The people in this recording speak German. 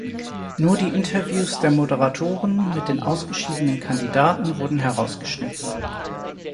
Nur die Interviews der Moderatoren mit den ausgeschiedenen Kandidaten wurden herausgeschnitten.